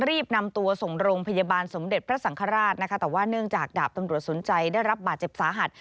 รีบนำตัวส่งโรงพยาบาลสมเด็จพระสังฆราชนะคะแต่ว่าเนื่องจากดาบตำรวจสนใจได้รับบาดเจ็บสาหัส